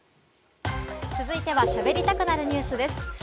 続いては、しゃべりたくなるニュスです。